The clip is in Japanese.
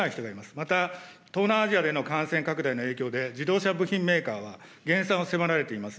また、東南アジアでの感染拡大の影響で自動車部品メーカーは減産を迫られています。